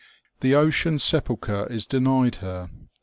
The ocean sepulchre is denied her.